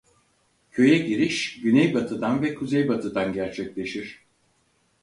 Köye giriş güneybatıdan ve kuzeybatıdan gerçekleşir.